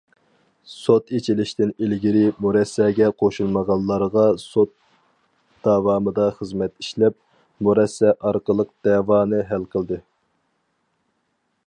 سوت ئېچىلىشتىن ئىلگىرى مۇرەسسەگە قوشۇلمىغانلارغا سوت داۋامىدا خىزمەت ئىشلەپ، مۇرەسسە ئارقىلىق دەۋانى ھەل قىلدى.